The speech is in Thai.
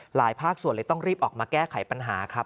ภาคส่วนเลยต้องรีบออกมาแก้ไขปัญหาครับ